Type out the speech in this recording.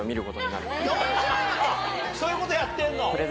そういうことやってんの？